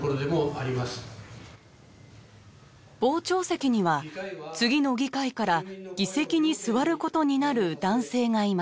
傍聴席には次の議会から議席に座ることになる男性がいました。